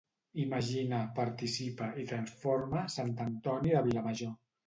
Imagina, participa i tranforma Sant Antoni de Vilamajor